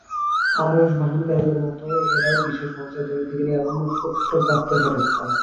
আরশ বহনকারীদের মত এরাও বিশেষ মর্যাদার অধিকারী এবং নৈকট্যপ্রাপ্ত ফেরেশতা।